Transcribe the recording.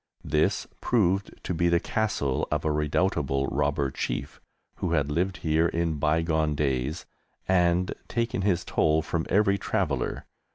This proved to be the castle of a redoubtable robber chief, who had lived here in bygone days and taken his toll from every traveller.